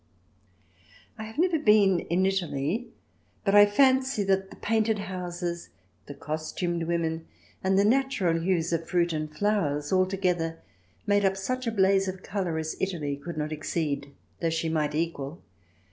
I have never been in Italy, but I fancy that the painted houses, the costumed women, and the natural hues of fruit and flowers, altogether made up such a blaze of colour as Italy could not exceed, though she might equal.